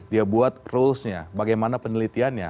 dia buat rules nya bagaimana penelitiannya